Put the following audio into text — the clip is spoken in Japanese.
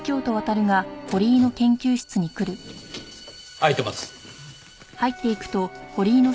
開いてます。